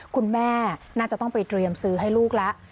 คุณแม่น่าจะต้องไปเตรียมซื้อให้ลูกแล้ว